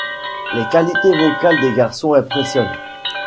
Les qualités vocales des garçons impressionnent.